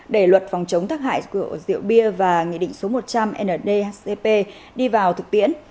để luật phòng chống tắc hại rượu bia và nghị định số một trăm linh ndcp đi vào thực tiễn